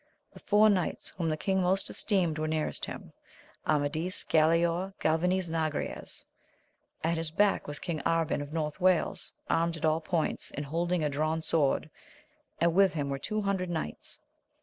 The four knights whom the king most esteemed, were nearest him, Amadis, Galaor, Galvanes, and Agrayes ; at his back was King Arban of North Wales, armed at all points, and holding a drawn sword, and with him were two hundred knights.